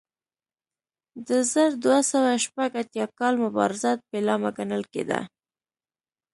د زر دوه سوه شپږ اتیا کال مبارزات پیلامه ګڼل کېده.